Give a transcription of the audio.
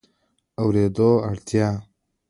د اورېدو وړتیا